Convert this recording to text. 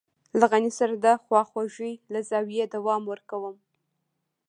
له غني سره د خواخوږۍ له زاويې دوام ورکوم.